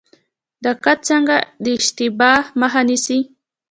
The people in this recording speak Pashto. دقت څنګه د اشتباه مخه نیسي؟